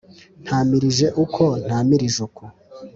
Ntamirije uko ntamirije uku.